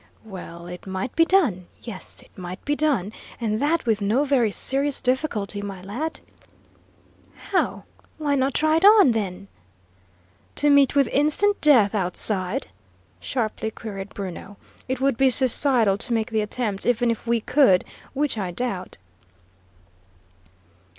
"Well, it might be done; yes, it might be done, and that with no very serious difficulty, my lad." "How? Why not try it on, then?" "To meet with instant death outside?" sharply queried Bruno. "It would be suicidal to make the attempt, even if we could; which I doubt."